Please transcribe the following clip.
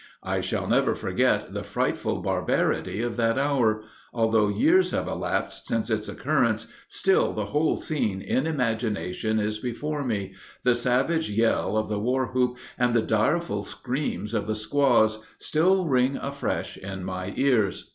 I shall never forget the frightful barbarity of that hour; although years have elapsed since its occurrence, still the whole scene in imagination is before me, the savage yell of the warwhoop, and the direful screams of the squaws, still ring afresh in my ears.